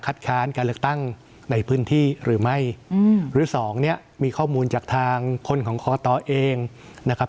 ค้านการเลือกตั้งในพื้นที่หรือไม่หรือสองเนี่ยมีข้อมูลจากทางคนของคอตเองนะครับ